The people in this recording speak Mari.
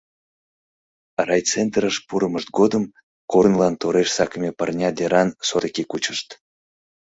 Райцентрыш пурымышт годым корнылан тореш сакыме пырня деран содыки кучышт.